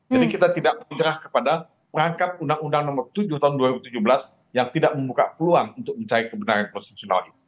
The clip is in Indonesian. jadi kita tidak berterah kepada perangkap undang undang nomor tujuh tahun dua ribu tujuh belas yang tidak membuka peluang untuk mencari kebenaran konstitusional itu